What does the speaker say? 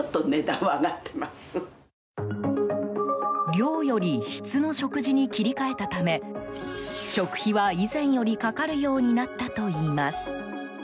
量より質の食事に切り替えたため食費は、以前よりかかるようになったといいます。